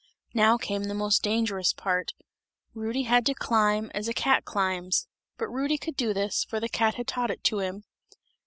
Now came the most dangerous part; Rudy had to climb as a cat climbs; but Rudy could do this, for the cat had taught it to him.